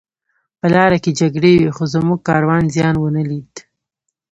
په لاره کې جګړې وې خو زموږ کاروان زیان ونه لید